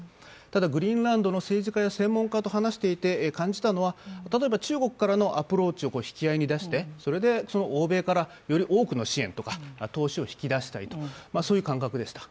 ただグリーンランドの政治家や専門家と話していて感じたのは、例えば中国からのアプローチを引き合いに出して、それで欧米からより多くの支援とか投資を引き出したい、そういう感覚でした。